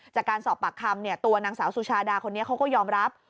จากการสอบปากคำตัวนางสาวสุชาดาคนนี้เขาก็ยอมรับ